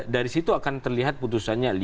dari situ akan terlihat putusannya